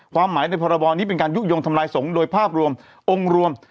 ความหมายในพรบนี้เป็นการยุโยงทำลายสงฆ์โดยภาพรวมองค์รวม